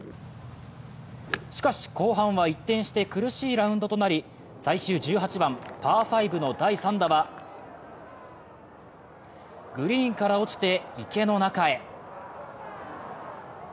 しかし、後半は一転して苦しいラウンドとなり最終１８番パー５の第３打は、グリーンから落ちて池の中へ。